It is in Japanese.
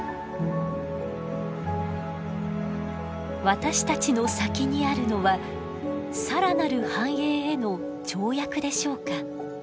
私たちの先にあるのは更なる繁栄への跳躍でしょうか？